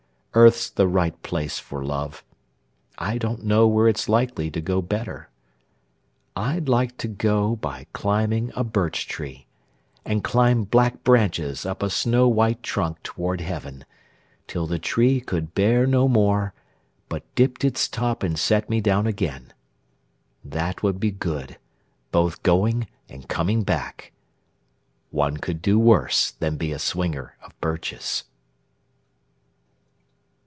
Earth's the right place for love: I don't know where it's likely to go better. I'd like to go by climbing a birch tree, And climb black branches up a snow white trunk Toward heaven, till the tree could bear no more, But dipped its top and set me down again. That would be good both going and coming back. One could do worse than be a swinger of birches.